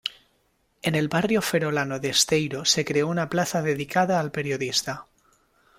En el barrio ferrolano de Esteiro se creó una plaza dedicada al periodista.